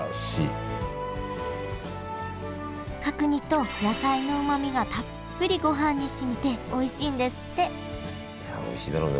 角煮と野菜のうまみがたっぷりごはんにしみておいしいんですっていやおいしいだろうな。